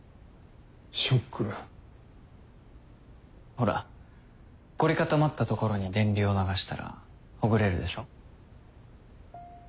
ほら凝り固まった所に電流を流したらほぐれるでしょ。